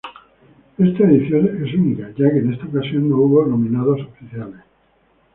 Esta edición es única, ya que en esta ocasión no hubo nominados oficiales.